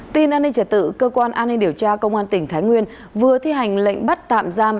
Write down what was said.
tin an ninh trả tự cơ quan an ninh điều tra công an tỉnh thái nguyên vừa thi hành lệnh bắt tạm giam